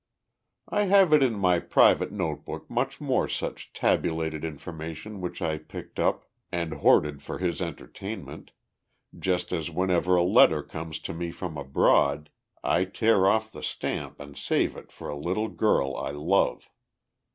I have in my private note book much more such tabulated information which I picked up and hoarded for his entertainment, just as whenever a letter comes to me from abroad, I tear off the stamp and save it for a little girl I love.